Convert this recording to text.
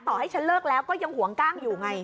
ให้ฉันเลิกแล้วก็ยังห่วงกล้างอยู่ไง